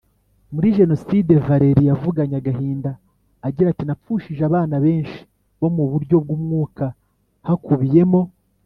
Muri jenoside Valerie yavuganye agahinda agira ati napfushije abana benshi bo mu buryo bw umwuka hakubiyemo